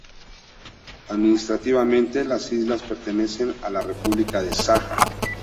Administrativamente, las islas pertenecen a la república de Saja.